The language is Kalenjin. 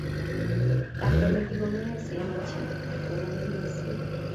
Lakwet nekikomeyo sikik chik konyalili mising